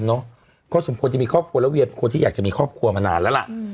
ก็สมควรจะมีครอบครัวแล้วเวียเป็นคนที่อยากจะมีครอบครัวมานานแล้วล่ะ